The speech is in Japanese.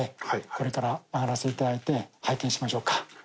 これから上がらせていただいて拝見しましょうか。